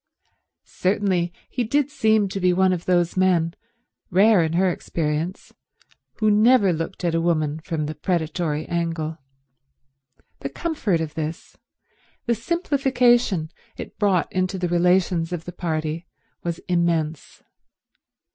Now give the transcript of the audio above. Certainly he did seem to be one of those men, rare in her experience, who never looked at a woman from the predatory angle. The comfort of this, the simplification it brought into the relations of the party, was immense.